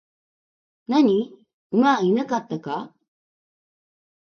何、馬はいなかったか?